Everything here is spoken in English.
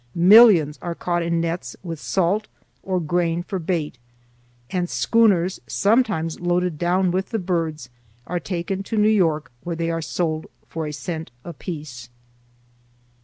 Millions are caught in nets with salt or grain for bait, and schooners, sometimes loaded down with the birds, are taken to New York where they are sold for a cent apiece."